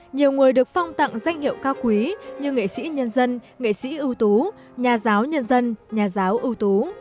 nhiều người được phong tặng danh hiệu cao quý như nghệ sĩ nhân dân nghệ sĩ ưu tú nhà giáo nhân dân nhà giáo ưu tú